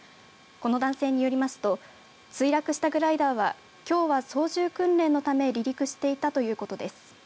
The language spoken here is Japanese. この男性によりますと墜落したグライダーはきょうは操縦訓練のため離陸していたということです。